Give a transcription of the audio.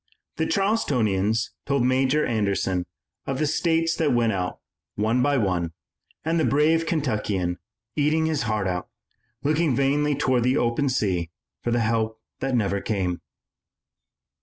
The Charlestonians told Major Anderson of the states that went out, one by one, and the brave Kentuckian, eating his heart out, looked vainly toward the open sea for the help that never came.